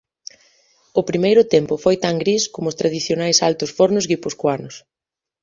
O primeiro tempo foi tan gris como os tradicionais altos fornos guipuscoanos.